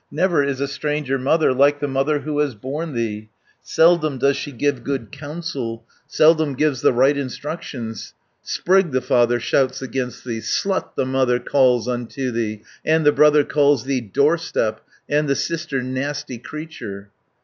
Never is a stranger mother Like the mother who has borne thee: Seldom does she give good counsel, Seldom gives the right instructions. Sprig the father shouts against thee, Slut the mother calls unto thee, 260 And the brother calls thee Doorstep, And the sister, Nasty Creature.